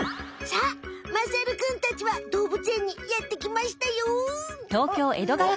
さあまさるくんたちは動物園にやってきましたよ。